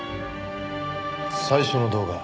最初の動画。